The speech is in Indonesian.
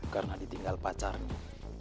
karena ditinggal pacarnya